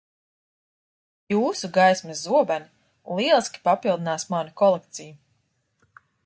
Jūsu gaismas zobeni lieliski papildinās manu kolekciju.